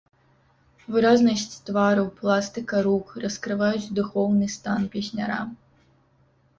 Выразнасць твару, пластыка рук раскрываюць духоўны стан песняра.